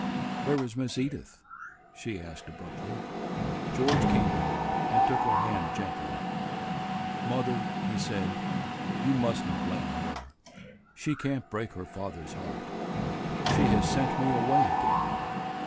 "Where is Miss Edith?" she asked abruptly. George came to her and took her hand gently. "Mother," he said, "you must n't blame her. She can't break her father's heart. She has sent me away again."